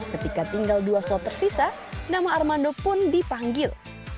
ketika tinggal dua slot tersisa nama armando pun dipanggil